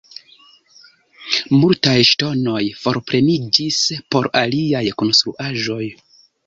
Multaj ŝtonoj forpreniĝis por aliaj konstruaĵoj.